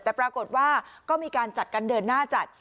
แต่ปรากฏว่าก็มีการจัดกันเดินหน้าจัด